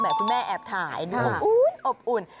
แหมพี่แม่แอบถ่ายดูอบอุ่น